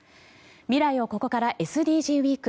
未来をここからＳＤＧｓウィーク。